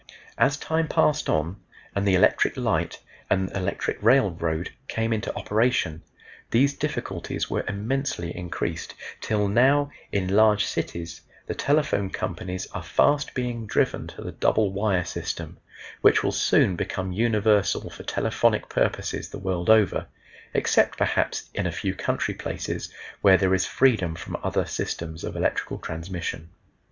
As time passed on and the electric light and electric railroad came into operation these difficulties were immensely increased, till now in large cities the telephone companies are fast being driven to the double wire system, which will soon become universal for telephonic purposes the world over, except perhaps in a few country places where there is freedom from other systems of electrical transmission.